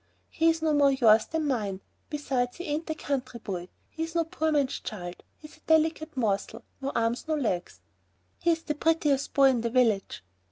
"He's no more yours than mine. Besides, he ain't a country boy. He's no poor man's child. He's a delicate morsel, no arms, no legs." "He's the prettiest boy in the village!"